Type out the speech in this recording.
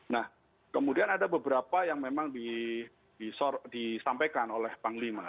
nah kemudian ada beberapa yang memang disampaikan oleh panglima